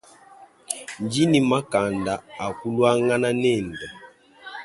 Ndi ni makanda akuluangana nende.